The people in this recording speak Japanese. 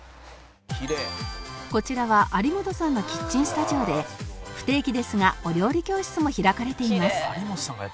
こちらは有元さんのキッチンスタジオで不定期ですがお料理教室も開かれています